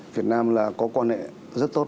việt nam là có quan hệ rất tốt